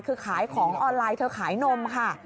คือขายของออนไลน์เธอขายนมค่ะ